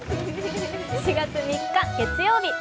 ４月３日、月曜日。